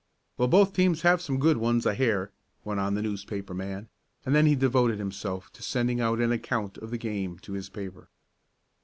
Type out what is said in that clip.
"Well, both teams have some good ones I hear," went on the newspaper man, and then he devoted himself to sending out an account of the game to his paper.